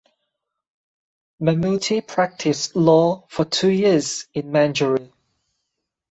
Mammootty practiced law for two years in Manjeri.